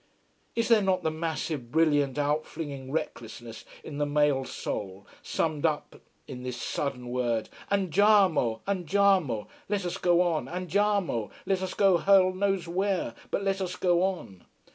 Is there not the massive brilliant, out flinging recklessness in the male soul, summed up in the sudden word: Andiamo! Andiamo! Let us go on. Andiamo! let us go hell knows where, but let us go on.